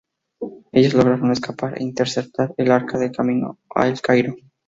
Ellos lograron escapar e interceptar el Arca de camino a El Cairo.